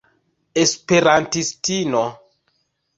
esperantistino